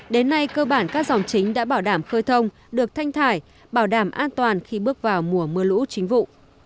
đến nay cơ bản các dòng chính đã bảo đảm khơi thông được thanh thải bảo đảm an toàn khi bước vào mùa mưa lũ chính vụ